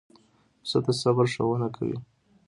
پسه د صبر ښوونه کوي.